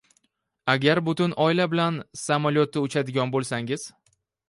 Agar butun oila bilan samolyotda uchadigan bo‘lsangiz